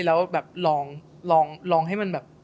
แล้วแบบลองลองลองให้มันแบบ